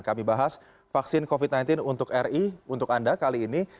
kami bahas vaksin covid sembilan belas untuk ri untuk anda kali ini